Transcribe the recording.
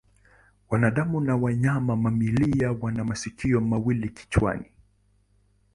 Wanadamu na wanyama mamalia wana masikio mawili kichwani.